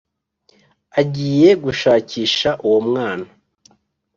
Agiye gushakisha uwo mwana